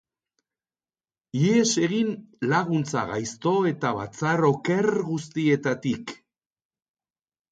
Ihes egin laguntza gaizto eta batzar oker guztietatik.